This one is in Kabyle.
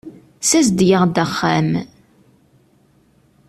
Ssazedgeɣ-d axxam.